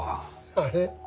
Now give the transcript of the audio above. あれ？